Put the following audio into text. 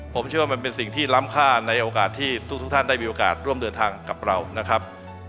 ผมเชื่อว่ามันเป็นสิ่งที่ล้ำค่าในโอกาสที่ทุกท่านได้มีโอกาสร่วมเดินทางกับเรานะครับ